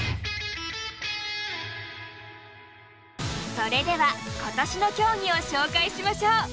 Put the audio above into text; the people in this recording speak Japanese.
それでは今年の競技を紹介しましょう。